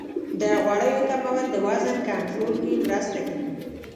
د غوړیو کمول د وزن کنټرول کې مرسته کوي.